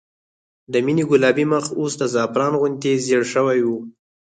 د مينې ګلابي مخ اوس د زعفران غوندې زېړ شوی و